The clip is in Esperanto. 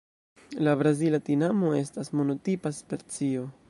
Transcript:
La Brazila tinamo estas monotipa specio.